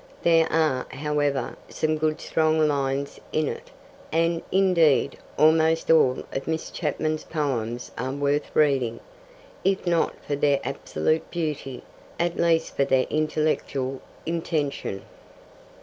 There are, however, some good strong lines in it, and, indeed, almost all of Miss Chapman's poems are worth reading, if not for their absolute beauty, at least for their intellectual intention.